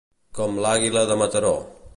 Com l'àguila de Mataró.